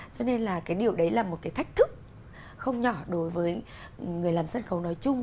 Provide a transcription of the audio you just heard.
cho nên là cái điều đấy là một cái thách thức không nhỏ đối với người làm sân khấu nói chung